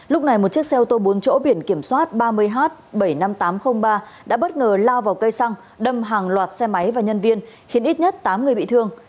lúc này một chiếc xe ô tô bốn chỗ biển kiểm soát ba mươi h bảy mươi năm nghìn tám trăm linh ba đã bất ngờ lao vào cây xăng đâm hàng loạt xe máy và nhân viên khiến ít nhất tám người bị thương